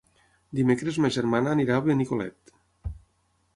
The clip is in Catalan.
Dimecres ma germana anirà a Benicolet.